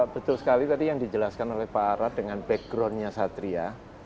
betul sekali tadi yang dijelaskan oleh pak arad dengan backgroundnya satria